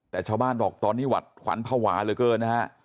แต่ชาวบ้านบอกตอนนี้หวัดขวัญภาวะเหลือเกินนะฮะ